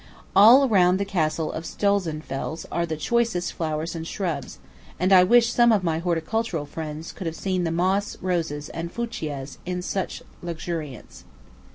All round the castle of Stolzenfels are the choicest flowers and shrubs; and I wish some of my horticultural friends could have seen the moss roses and fuchias in such luxuriance.